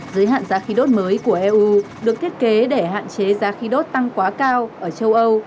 giới hạn giá khí đốt mới của eu được thiết kế để hạn chế giá khí đốt tăng quá cao ở châu âu